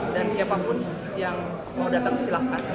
dan siapapun yang mau datang silakan